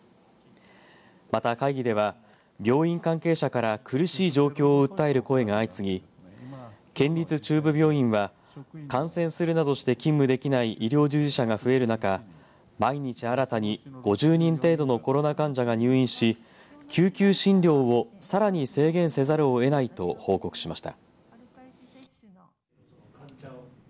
また、会議では病院関係者から苦しい状況を訴える声が相次ぎ県立中部病院は感染するなどして勤務できない医療従事者が増える中毎日新たに５０人程度のコロナ患者が入院し、救急診療をさらに制限せざるをえないと報告しました。